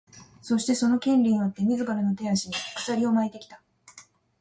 そして、その「権利」によって自らの手足に鎖を巻いてきた。